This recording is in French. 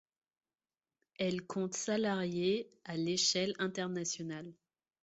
Elle compte salariés à l'échelle internationale.